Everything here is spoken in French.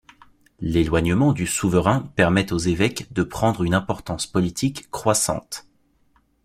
L'éloignement du souverain permet aux évêques de prendre une importance politique croissante.